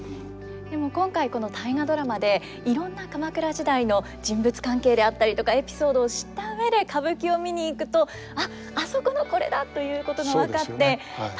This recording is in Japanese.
でも今回この「大河ドラマ」でいろんな鎌倉時代の人物関係であったりとかエピソードを知った上で歌舞伎を見に行くと「あっあそこのこれだ」ということが分かって楽しいでしょうね。